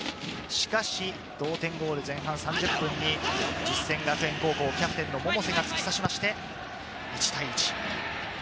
しかし同点ゴール、前半３０分に実践学園高校、キャプテンの百瀬が突き刺しまして、１対１。